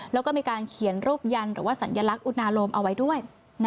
แล้วก็มีการเขียนรูปยันหรือว่าสัญลักษณ์อุณาโลมเอาไว้ด้วย